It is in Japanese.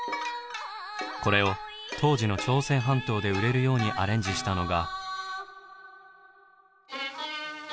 これを当時の朝鮮半島で売れるようにアレンジしたのが。